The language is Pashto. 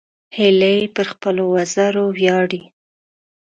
هیلۍ پر خپلو وزرو ویاړي